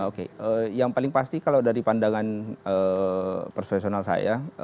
oke yang paling pasti kalau dari pandangan profesional saya